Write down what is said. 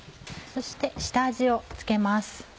そして下味を付けます。